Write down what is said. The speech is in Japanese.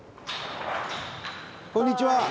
こんにちは！